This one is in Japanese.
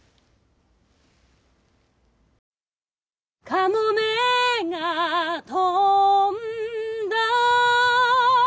「かもめが翔んだ」